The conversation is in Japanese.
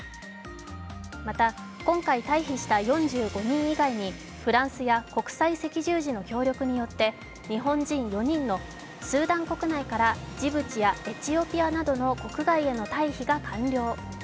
また今回退避した４５人以外にフランスや国際赤十字の協力によって日本人４人のスーダン国内からジブチやエチオピアなどへの国外への退避が完了。